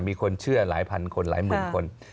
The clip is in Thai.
มีคนเชื่อหลายพันคนหลายหมื่นคน